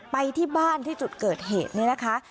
ไปที่บ้านที่จุดเกิดเหตุนี่นะคะ